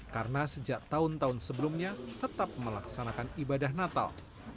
karena sejak tahun tahun sebelumnya tetap melaksanakan ibadah natal